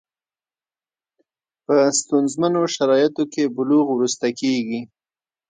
په ستونزمنو شرایطو کې بلوغ وروسته کېږي.